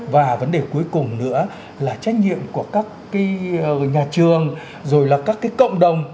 và vấn đề cuối cùng nữa là trách nhiệm của các nhà trường rồi là các cái cộng đồng